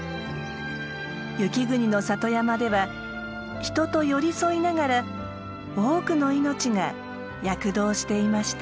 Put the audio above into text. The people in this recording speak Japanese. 雪国の里山では人と寄り添いながら多くの命が躍動していました。